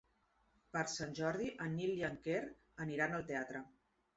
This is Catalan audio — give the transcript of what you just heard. Per Sant Jordi en Nil i en Quer aniran al teatre.